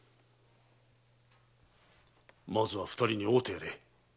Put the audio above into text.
まずは二人に会うてやれ。